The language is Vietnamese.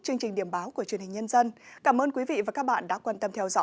chương trình điểm báo của truyền hình nhân dân